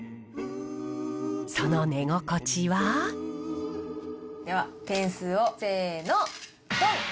その寝心地は？では点数をせのドン！